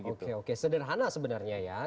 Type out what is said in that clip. oke oke sederhana sebenarnya ya